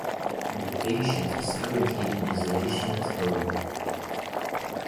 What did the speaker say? The patient is currently in isolation at home.